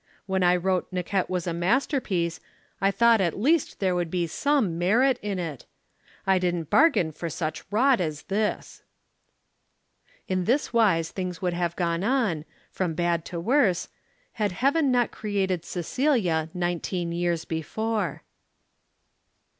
When I wrote Naquette was a masterpiece, I thought at least there would be some merit in it I didn't bargain for such rot as this." In this wise things would have gone on from bad to worse had Heaven not created Cecilia nineteen years before.